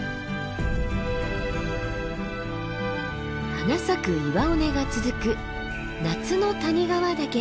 花咲く岩尾根が続く夏の谷川岳です。